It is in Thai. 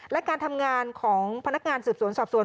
และการทำงานของพนักงานสืบสวนสอบสวน